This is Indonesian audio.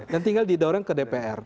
dan tinggal didorong ke dpr